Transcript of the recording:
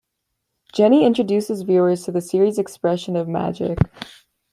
Jenny introduces viewers to the series' expression of magic.